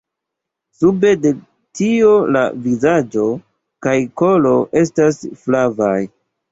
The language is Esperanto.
Sube de tio la vizaĝo kaj kolo estas flavaj.